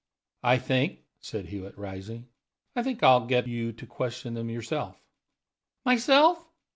"I think," said Hewitt, rising "I think I'll get you to question them yourself." "Myself?"